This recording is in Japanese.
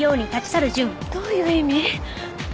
どういう意味？